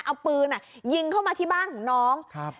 เอาปืนยิงเข้ามาที่บ้านของน้อง